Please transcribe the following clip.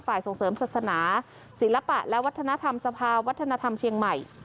ส่งเสริมศาสนาศิลปะและวัฒนธรรมสภาวัฒนธรรมเชียงใหม่